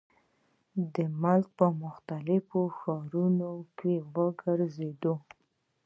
د ملک پۀ مختلفو ښارونو کښې ګرزيدو ۔